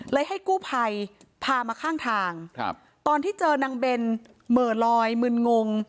ให้กู้ภัยพามาข้างทางตอนที่เจอนางเบนเหม่อลอยมึนงง